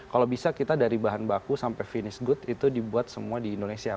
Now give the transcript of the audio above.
kalau bisa kita dari bahan baku sampai finish good itu dibuat semua di indonesia